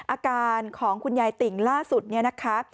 อาการของคุณยายติ่งล่าสุดเนี่ยนะคะ